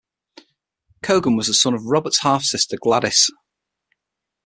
Cogan was the son of Robert's half-sister Gwladys.